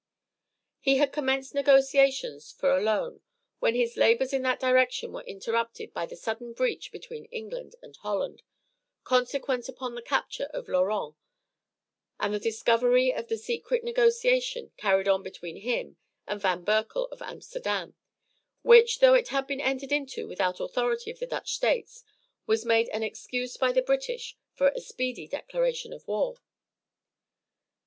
He had commenced negotiations for a loan when his labors in that direction were interrupted by the sudden breach between England and Holland, consequent upon the capture of Laurens and the discovery of the secret negotiation carried on between him and Van Berkel, of Amsterdam, which, though it had been entered into without authority of the Dutch States, was made an excuse by the British for a speedy declaration of war.